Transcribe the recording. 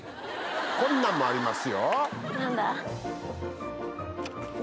こんなんもありますよ。